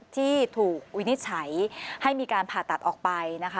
ที่ถูกวินิจฉัยให้มีการผ่าตัดออกไปนะคะ